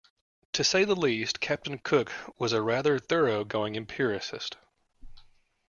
To say the least, Captain Cook was a rather thorough going empiricist.